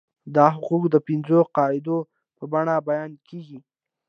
دا حقوق د پنځو قاعدو په بڼه بیان کیږي.